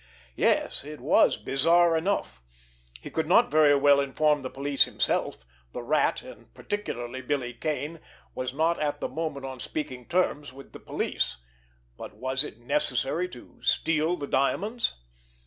Yes, it was bizarre enough! He could not very well inform the police himself! The Rat—and particularly Billy Kane—was not at the moment on speaking terms with the police! But was it necessary to steal the diamonds?